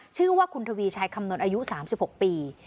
ชื่อว่าคุณทวีชัยคำนวณอายุ๓๖ปี